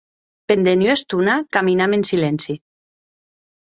Pendent ua estona caminam en silenci.